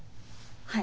はい。